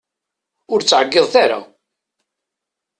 Ur ttɛeggiḍet ara!